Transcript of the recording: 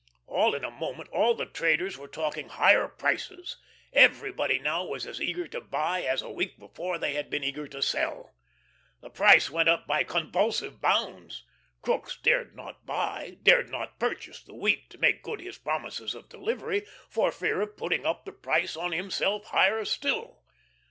All in a moment all the traders were talking "higher prices." Everybody now was as eager to buy as, a week before, they had been eager to sell. The price went up by convulsive bounds. Crookes dared not buy, dared not purchase the wheat to make good his promises of delivery, for fear of putting up the price on himself higher still.